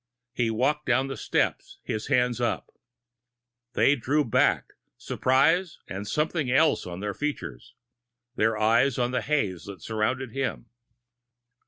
He walked down the steps, his hands up. They drew back, surprise and something else on their features, their eyes on the haze that surrounded him.